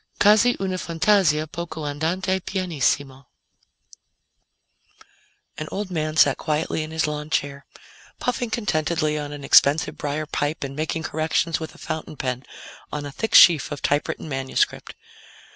QUASI UNA FANTASIA POCO ANDANTE PIANISSIMO An old man sat quietly in his lawnchair, puffing contentedly on an expensive briar pipe and making corrections with a fountain pen on a thick sheaf of typewritten manuscript.